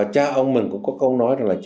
cha ông mình cũng có câu nói là